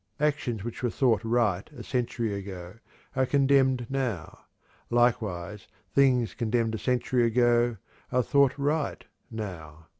Actions which were thought right a century ago are condemned now; likewise, things condemned a century ago are thought right now.